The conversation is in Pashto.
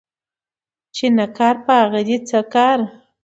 چي نه کار ، په هغه دي څه کار